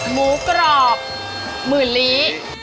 หมูกรอบหมื่นลี